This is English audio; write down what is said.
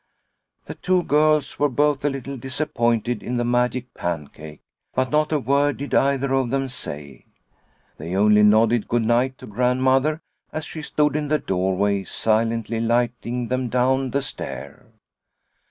The two girls were both a little disappointed in the magic pancake, but not a word did either of them say. They only nodded good night to Grandmother as she stood in the doorway silently lighting them down the stair.